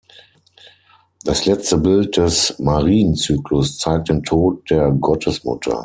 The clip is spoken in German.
Das letzte Bild des Marienzyklus zeigt den "Tod der Gottesmutter".